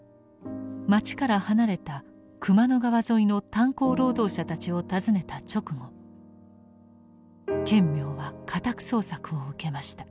街から離れた熊野川沿いの炭鉱労働者たちを訪ねた直後顕明は家宅捜索を受けました。